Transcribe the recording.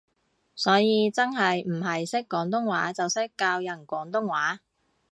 所以真係唔係識廣東話就識教人廣東話